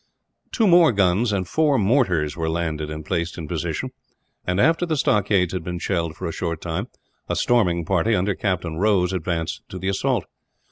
Two more guns and four mortars were landed and placed in position and, after the stockades had been shelled for a short time, a storming party under Captain Rose advanced to the assault.